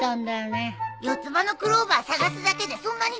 四つ葉のクローバー探すだけでそんなに疲れるのかブー？